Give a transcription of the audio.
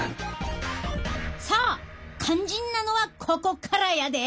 さあ肝心なのはここからやで。